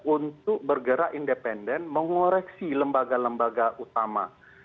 untuk bergerak independen mengoreksi lembaga lembaga utama